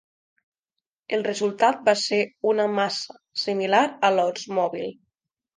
El resultat va ser una "massa" similar a l'Oldsmobile.